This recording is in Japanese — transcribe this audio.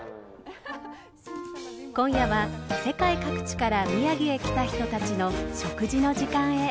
今夜は世界各地から宮城へ来た人たちの食事の時間へ。